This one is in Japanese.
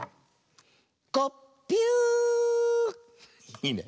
いいね。